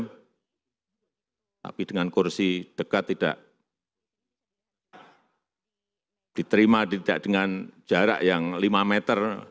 berjalan putin dua lima jam tapi dengan kursi dekat tidak diterima tidak dengan jarak yang lima meter